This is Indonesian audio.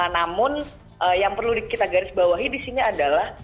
namun yang perlu kita garis bawahi di sini adalah